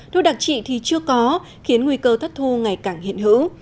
thu đặc trị thì chưa có khiến nguy cơ thất thu ngày càng hiện hữu